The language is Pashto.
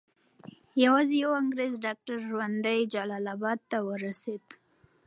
یوازې یو انګریز ډاکټر ژوندی جلال اباد ته ورسېد.